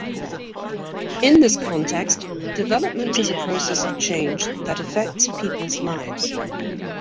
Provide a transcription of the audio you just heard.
In this context, development is a process of change that affects people's lives.